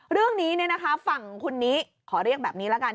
เรื่องนี้ฝั่งคนนี้ขอเรียกแบบนี้ละกัน